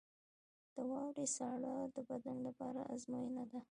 • د واورې ساړه د بدن لپاره ازموینه ده.